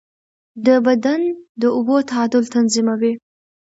د بدن د اوبو تعادل تنظیموي.